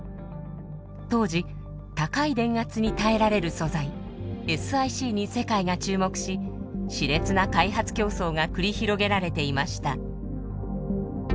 当時高い電圧に耐えられる素材ＳｉＣに世界が注目し熾烈な開発競争が繰り広げられていました。